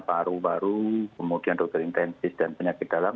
baru baru kemudian dokter intensif dan penyakit dalam